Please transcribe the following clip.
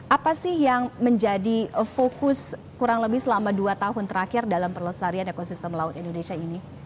apa sih yang menjadi fokus kurang lebih selama dua tahun terakhir dalam perlesarian ekosistem laut indonesia ini